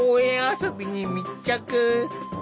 遊びに密着。